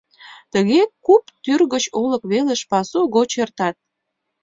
Тыге куп тӱр гыч олык велыш пасу гоч эртат.